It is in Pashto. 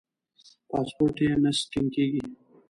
پاسپورټ یې نه سکېن کېږي.